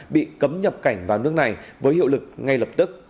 bị cấm nhập cảnh vào nước này với hiệu lực ngay lập tức